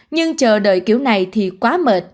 nhưng chờ đợi kiểu này thì quá khó